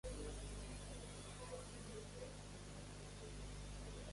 The government proposes Polynesian Airlines resume operating long distance flights.